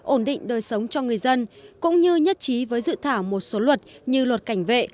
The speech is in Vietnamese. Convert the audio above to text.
ổn định đời sống cho người dân cũng như nhất trí với dự thảo một số luật như luật cảnh vệ